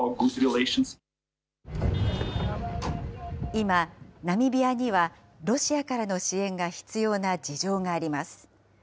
今、ナミビアには、ロシアからの支援が必要な事情があります。